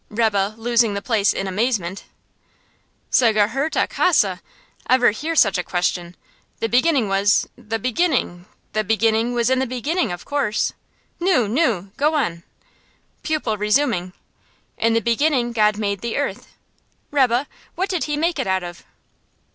Rebbe, losing the place in amazement: "'S gehert a kasse? (Ever hear such a question?) The beginning was the beginning the beginning was in the beginning, of course! Nu! nu! Go on." Pupil, resuming: "In the beginning God made the earth. Rebbe, what did He make it out of?"